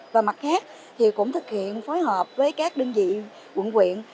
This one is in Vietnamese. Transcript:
và mặt khác thì cũng thực hiện phối hợp với các đơn vị quận quyện